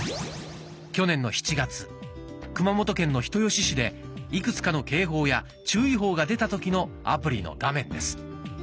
去年の７月熊本県の人吉市でいくつかの警報や注意報が出た時のアプリの画面です。